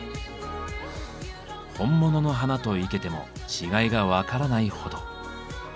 本物の花と生けても違いが分からないほど。